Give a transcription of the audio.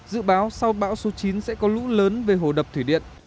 dự báo sau bão số chín sẽ có lũ lớn về hồ đập thủy điện